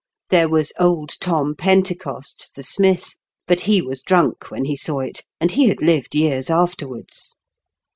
There was old Tom Pentecost, the smith, but he was dtxink when he saw it, and he had lived years afterwards.